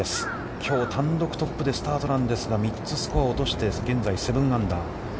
きょう、単独トップでスタートなんですが、３つスコアを落として現在７アンダー。